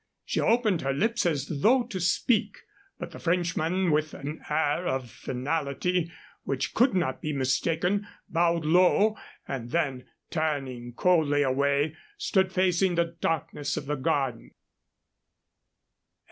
She opened her lips as though to speak, but the Frenchman, with an air of finality which could not be mistaken, bowed low, and then, turning coldly away, stood facing the darkness of the garden.